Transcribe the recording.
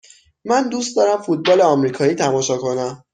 من دوست دارم فوتبال آمریکایی تماشا کنم.